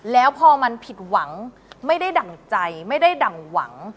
แล้วพอมันผิดหวังไม่ได้ดั่งใจไม่ได้ดั่งหวัง